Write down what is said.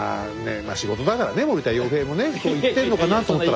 まあ仕事だからね森田洋平もねそう言ってんのかなと思ったら。